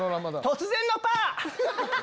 突然のパ！